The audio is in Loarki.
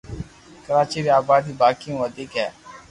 ڪراچي ري آبادي باقي مون وديڪ ھي